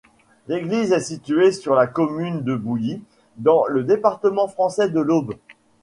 L'église est située sur la commune de Bouilly, dans le département français de l'Aube.